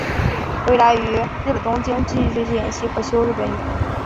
未来于日本东京继续学习演戏和修习日本语。